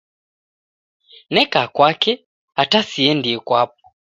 Neka kwake ata siendie kwapo